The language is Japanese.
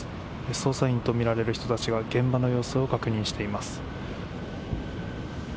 捜査員とみられる人たちが現場の様子を確認しています。